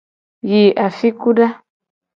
Yi afikuda.